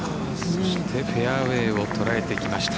そしてフェアウェイを捉えてきました。